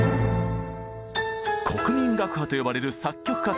「国民楽派」と呼ばれる作曲家たち。